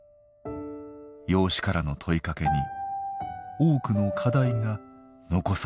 養子からの問いかけに多くの課題が残されたままです。